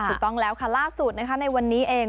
ถูกต้องแล้วค่ะล่าสุดในวันนี้เอง